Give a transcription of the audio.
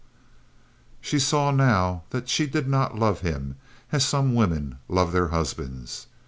She saw now that she did not love him as some women love their husbands.